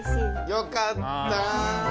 よかった。